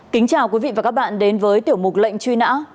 kính chào quý vị và các bạn đến với tiểu mục lệnh truy nã